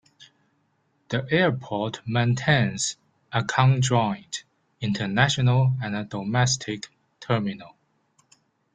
The airport maintains a conjoined international and domestic terminal.